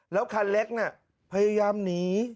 แล้วคันเล็กน่ะพยายามหนี